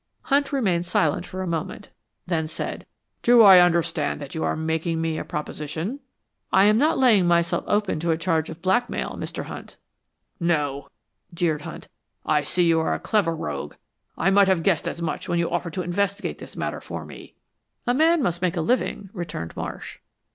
Hunt remained silent for a moment, then said, "Do I understand that you are making me a proposition?" "I'm not laying myself open to a charge of blackmail, Mr. Hunt." "No," jeered Hunt, "I see you're a clever rogue. I might have guessed as much when you offered to investigate this matter for me." "A man must make a living," returned Marsh.